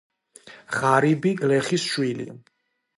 ღარიბი გლეხის შვილი.